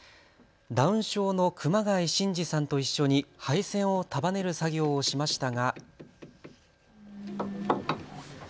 ダウン症の熊谷慎二さんと一緒に配線を束ねる作業をしましたが。